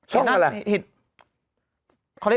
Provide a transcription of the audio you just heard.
ช่องอะไร